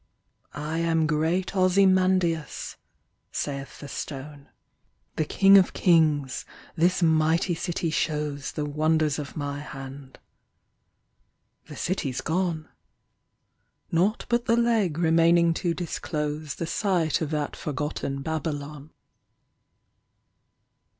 " I am great Ozymandias," saith the stone, " The King of kings ; this mighty city shows The wonders of my hand." The city ? s gone ! Naught but the leg remaining to disclose The site of that forgotten Babylon.